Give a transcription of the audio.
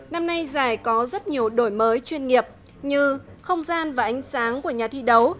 năm nay giải có rất nhiều đổi mới chuyên nghiệp như không gian và ánh sáng của nhà thi đấu